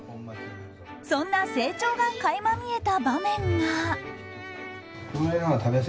そんな成長が垣間見えた場面が。